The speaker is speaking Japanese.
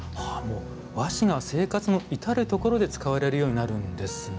和紙が生活の至る所で使われるようになるんですね。